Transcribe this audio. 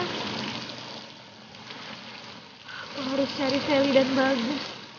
terima kasih bu